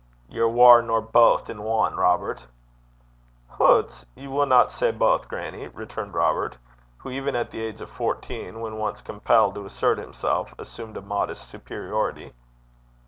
'Ye're waur nor baith in ane, Robert.' 'Hoots! ye winna say baith, grannie,' returned Robert, who, even at the age of fourteen, when once compelled to assert himself, assumed a modest superiority.